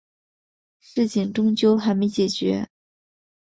事情终究还没解决